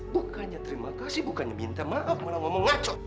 bukannya terima kasih bukannya minta maaf malah ngomong ngaco